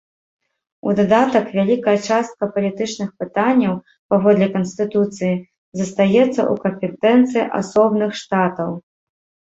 У дадатак, вялікая частка палітычных пытанняў, паводле канстытуцыі, застаецца ў кампетэнцыі асобных штатаў.